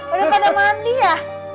udah pada mandi ya